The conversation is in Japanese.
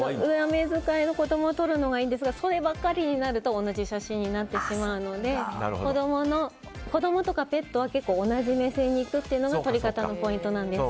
上目遣いの子供ってとっても可愛いので上目遣いの子供を撮るのがいいんですがそればかりになると同じ写真になってしまうので子供とかペットは同じ目線に行くというのが撮り方のポイントなんです。